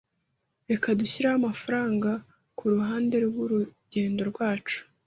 Reka dushyireho amafaranga kuruhande rwurugendo rwacu.